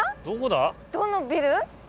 どのビル？